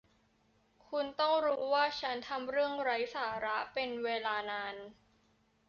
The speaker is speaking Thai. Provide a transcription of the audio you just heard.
คุณต้องรู้ว่าฉันทำเรื่องไร้สาระเป็นเวลานาน